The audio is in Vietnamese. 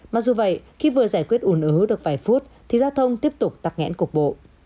mặc dù vậy khi vừa giải quyết ủn ứ được vài phút thì giao thông tiếp tục tắc nghẽn cục bộ